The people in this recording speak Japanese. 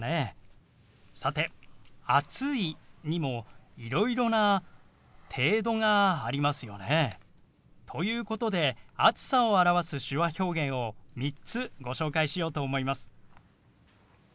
さて「暑い」にもいろいろな程度がありますよね。ということで暑さを表す手話表現を３つご紹介しようと思います。